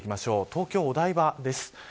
東京、お台場です。